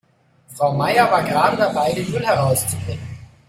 Frau Meier war gerade dabei, den Müll herauszubringen.